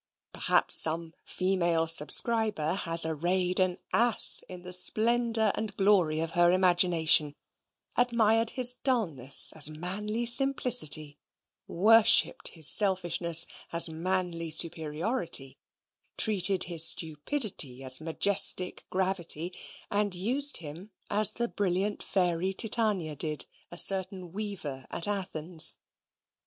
Perhaps some beloved female subscriber has arrayed an ass in the splendour and glory of her imagination; admired his dulness as manly simplicity; worshipped his selfishness as manly superiority; treated his stupidity as majestic gravity, and used him as the brilliant fairy Titania did a certain weaver at Athens.